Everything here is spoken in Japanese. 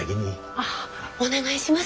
ああお願いします。